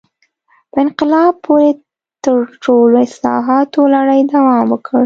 په انقلاب پورې تړلو اصلاحاتو لړۍ دوام وکړ.